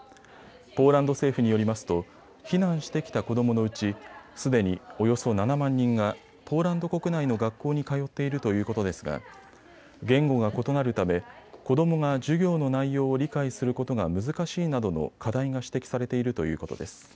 ポーランド政府によりますと避難してきた子どものうちすでにおよそ７万人がポーランド国内の学校に通っているということですが言語が異なるため子どもが授業の内容を理解することが難しいなどの課題が指摘されているということです。